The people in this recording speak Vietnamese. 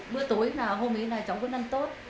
mưa tối là hôm ấy là cháu vẫn ăn tốt